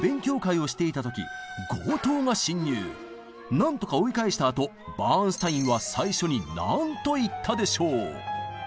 なんとか追い返したあとバーンスタインは最初に何と言ったでしょう？